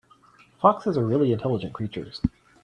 Foxes are really intelligent creatures.